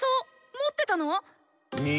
持ってたの？